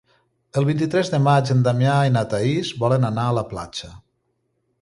El vint-i-tres de maig en Damià i na Thaís volen anar a la platja.